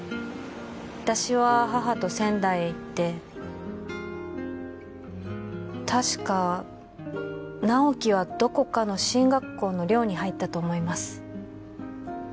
私は母と仙台へ行って確か直木はどこかの進学校の寮に入ったと思います